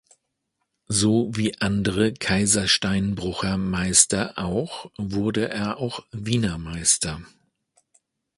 So wie andere Kaisersteinbrucher Meister auch, wurde er auch Wiener Meister.